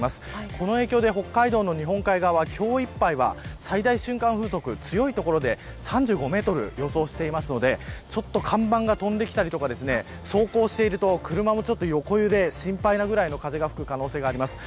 この影響で北海道の日本海側今日いっぱいは最大瞬間風速強い所で３５メートル予想していますのでちょっと看板が飛んできたりとか走行していると車もちょっと横揺れ心配なぐらいの風が吹く可能性があります。